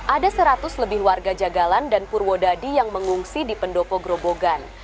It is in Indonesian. ada seratus lebih warga jagalan dan purwodadi yang mengungsi di pendopo grobogan